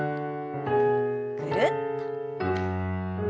ぐるっと。